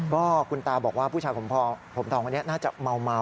ก็คุณตาบอกว่าผู้ชายผมทองคนนี้น่าจะเมา